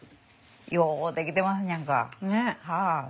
よう出来てますやんか。は。